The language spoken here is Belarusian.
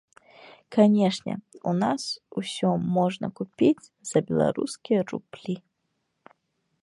Канешне, у нас усё можна купіць за беларускія рублі.